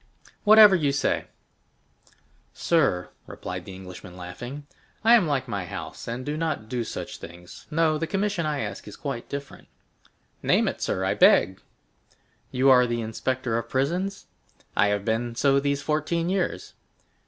Whatever you say." "Sir," replied the Englishman, laughing, "I am like my house, and do not do such things—no, the commission I ask is quite different." "Name it, sir, I beg." "You are the inspector of prisons?" "I have been so these fourteen years."